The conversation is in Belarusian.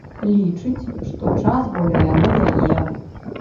Лічыць, што час гуляе на яе.